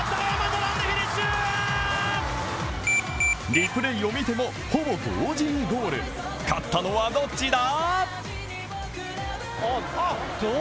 リプレーを見てもほぼ同時にゴール、勝ったのはどっちだ？